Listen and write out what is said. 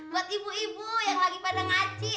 buat ibu ibu yang lagi pada ngaci